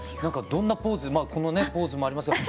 どんなポーズこのねポーズもありますが。